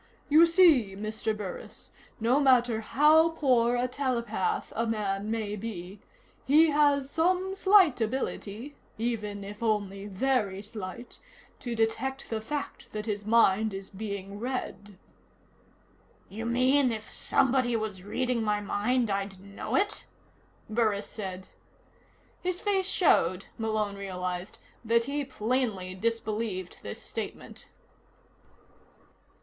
You see, Mr. Burris, no matter how poor a telepath a man may be, he has some slight ability even if only very slight to detect the fact that his mind is being read." "You mean, if somebody was reading my mind, I'd know it?" Burris said. His face showed, Malone realized, that he plainly disbelieved this statement.